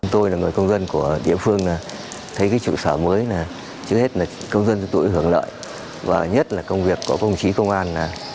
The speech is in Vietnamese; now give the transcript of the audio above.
tôi là người công dân của địa phương thấy cái trụ sở mới là trước hết là công dân tuổi hưởng lợi và nhất là công việc của công trí công an